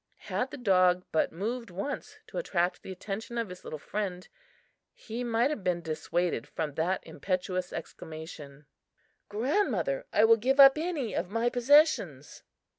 Had the dog but moved once to attract the attention of his little friend, he might have been dissuaded from that impetuous exclamation: "Grandmother, I will give up any of my possessions!"